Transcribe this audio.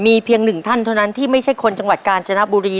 มีเพียงหนึ่งท่านเท่านั้นที่ไม่ใช่คนจังหวัดกาญจนบุรี